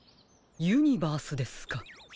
ユニバースですか。